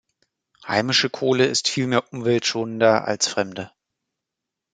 Heimische Kohle ist vielmehr umweltschonender als fremde.